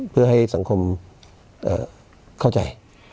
เพื่อให้สังคมเข้าใจ